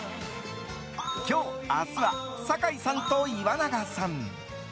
今日、明日は酒井さんと岩永さん。